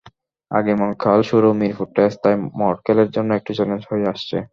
আগামীকাল শুরু মিরপুর টেস্ট তাই মরকেলের জন্য একটু চ্যালেঞ্জ হয়েই আসছে।